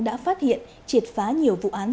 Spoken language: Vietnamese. đã phát hiện triệt phá nhiều vụ án